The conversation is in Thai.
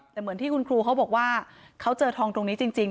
แต่เหมือนที่คุณครูเขาบอกว่าเขาเจอทองตรงนี้จริง